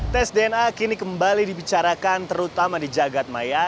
tes dna kini kembali dibicarakan terutama di jagadmaya